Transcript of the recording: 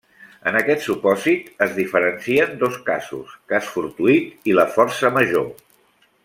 En aquest supòsit es diferencien dos casos: cas fortuït i la força major.